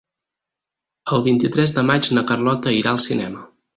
El vint-i-tres de maig na Carlota irà al cinema.